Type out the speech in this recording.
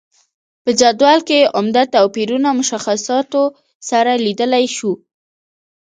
په جدول کې عمده توپیرونه مشخصاتو سره لیدلای شو.